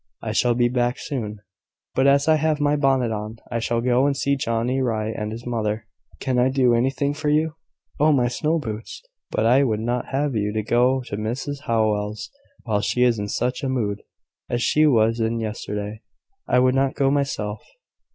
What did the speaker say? I shall be back soon; but as I have my bonnet on, I shall go and see Johnny Rye and his mother. Can I do anything for you?" "Oh, my snow boots! But I would not have you go to Mrs Howell's while she is in such a mood as she was in yesterday. I would not go myself."